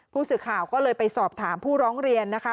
ผู้สื่อข่าวก็เลยไปสอบถามผู้ร้องเรียนนะคะ